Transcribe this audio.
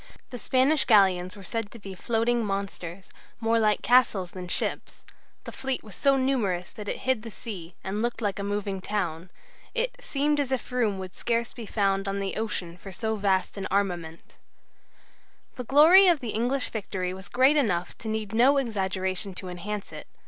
The Spanish galleons were said to be floating monsters, more like castles than ships; the fleet was so numerous that it hid the sea, and looked like a moving town; it "seemed as if room would scarce be found on the ocean for so vast an armament." The glory of the English victory was great enough to need no exaggeration to enhance it.